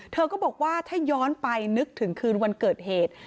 เธอก็บอกว่าถ้าย้อนไปนึกถึงคืนวันเกิดเหตุ